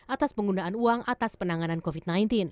atas penggunaan uang atas penanganan covid sembilan belas